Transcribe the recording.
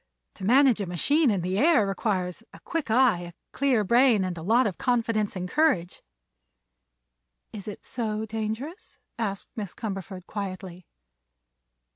To manage a machine in the air requires a quick eye, a clear brain and a lot of confidence and courage." "Is it so dangerous?" asked Miss Cumberford quietly.